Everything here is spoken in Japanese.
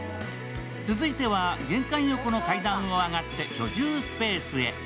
続いては玄関横の階段を上がって居住スペースへ。